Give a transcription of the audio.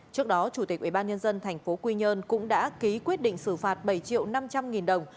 trước đó chủ tịch ubnd tp quy nhơn cũng đã ký quyết định xử phạt bảy triệu năm trăm linh nghìn đồng